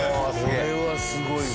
これはすごいわ。